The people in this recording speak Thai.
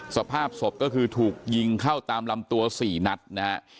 สภาพศพก็คือถูกยิงเข้าตามลำตัว๔นัดนะฮะ